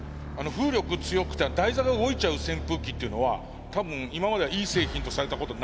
風力強くて台座が動いちゃう扇風機っていうのは多分今まではいい製品とされたことないと思うんですね。